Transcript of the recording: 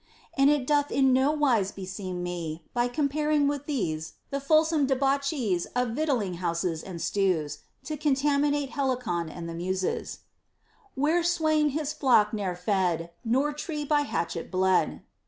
And it doth in no wise beseem me, by comparing with these the fulsome debauchees of victual ling houses and stews, to contaminate Helicon and the Muses, — Where swain his flock ne'er fed, Nor tree by hatchet bled.